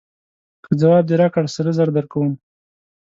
که ځواب دې راکړ سره زر درکوم.